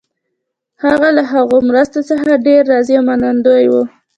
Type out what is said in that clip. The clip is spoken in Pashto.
هغه له هغو مرستو څخه ډېر راضي او منندوی وو.